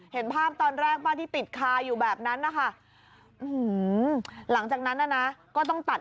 เห็นภาพตอนแรกป่ะที่ติดคาอยู่แบบนั้นนะคะ